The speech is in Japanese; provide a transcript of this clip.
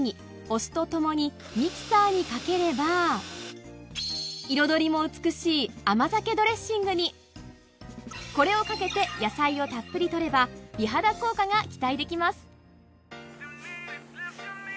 お酢と共にミキサーにかければ彩りも美しいこれをかけて野菜をたっぷり取れば美肌効果が期待できます